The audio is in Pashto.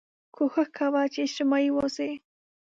کوښښ کوه چې اجتماعي واوسې